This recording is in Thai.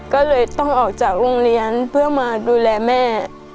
ก็เลยต้องออกจากโรงเรียนเพื่อมาดูแลแม่